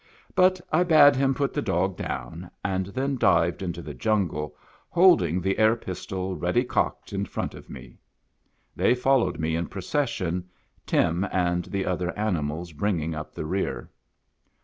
But I bade him put the dog down, and then dived into the jungle, holding the air pistol ready cocked in front of me. They followed me in procession, Tim and the other animals bringing up the rear.